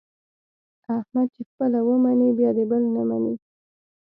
احمد چې خپله و مني بیا د بل نه مني.